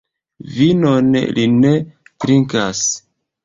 Vinon li ne trinkas.